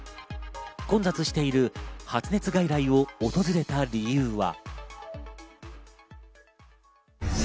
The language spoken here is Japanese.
混雑している発熱外来を訪れた理由は。